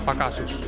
pada beberapa kasus